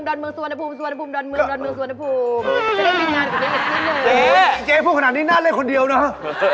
เจ๊พูดขนาดนี้น่าจะเล่นคนเดียวเนอะ